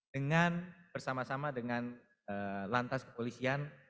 dengan bersama sama dengan lantas kepolisian